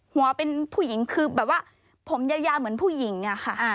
หัวเป็นผู้หญิงคือแบบว่าผมยาวเหมือนผู้หญิงอะค่ะ